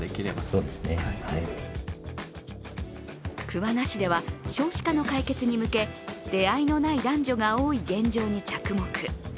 桑名市では少子化の解決に向け出会いのない男女が多い現状に着目。